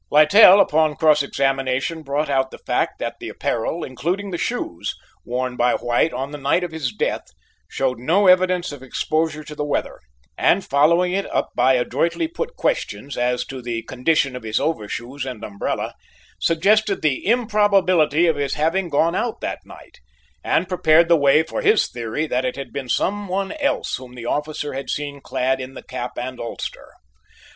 Littell, upon cross examination, brought out the fact that the apparel, including the shoes, worn by White on the night of his death showed no evidence of exposure to the weather, and following it up by adroitly put questions as to the condition of his overshoes and umbrella, suggested the improbability of his having been out that night, and prepared the way for his theory that it had been some one else whom the officer had seen clad in the cap and ulster.